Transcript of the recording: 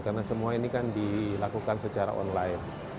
karena semua ini kan dilakukan secara online